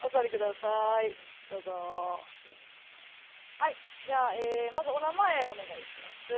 はいじゃあまずお名前お願いします。